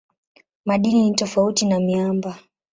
Madini ni tofauti na miamba.